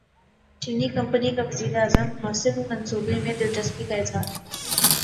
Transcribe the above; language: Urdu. چینی کمپنی کا وزیر اعظم ہاسنگ منصوبے میں دلچسپی کا اظہار